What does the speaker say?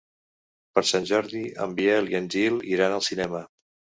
Per Sant Jordi en Biel i en Gil iran al cinema.